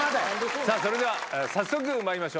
さあそれでは早速まいりましょう。